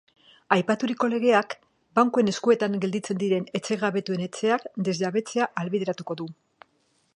Aipaturiko legeak, bankuen eskuetan gelditzen diren etxegabetuen etxeak desjabetzea ahalbideratuko du.